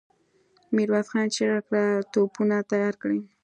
ميرويس خان چيغه کړه! توپونه تيار کړئ!